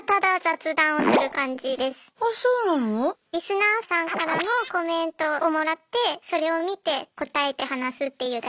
リスナーさんからのコメントをもらってそれを見て答えて話すっていうだけです。